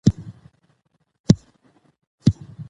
څنګه کولای سو د خپل کلتور ښکلا نوره هم زیاته کړو؟